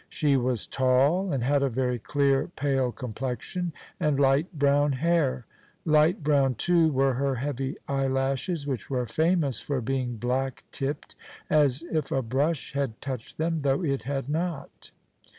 She was tall, and had a very clear, pale complexion and light brown hair. Light brown, too, were her heavy eyelashes, which were famous for being black tipped, as if a brush had touched them, though it had not.